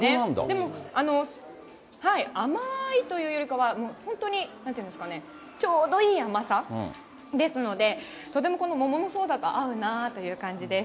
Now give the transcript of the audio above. でも甘いというよりかは、もう本当になんて言うんですかね、ちょうどいい甘さですので、とても桃のソーダと合うなという感じです。